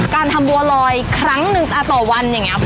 การทำบัวลอยครั้งหนึ่งต่อวันอย่างนี้